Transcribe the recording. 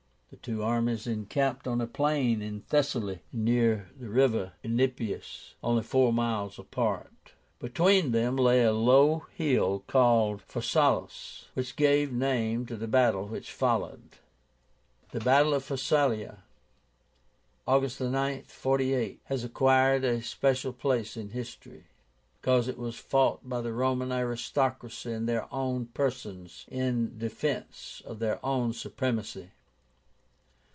The two armies encamped on a plain in Thessaly near the river Enipeus, only four miles apart. Between them lay a low hill called PHARSÁLUS, which gave name to the battle which followed. "The battle of PHARSALIA (August 9, 48) has acquired a special place in history, because it was fought by the Roman aristocracy in their own persons in defence of their own supremacy.